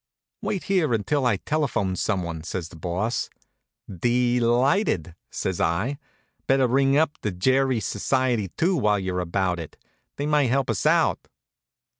"Wait here until I telephone someone," says the Boss. "De lighted!" says I. "Better ring up the Gerry Society, too, while you're about it. They might help us out."